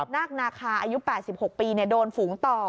นากนาคาอายุ๘๖ปีเนี่ยโดนฝูงต่อ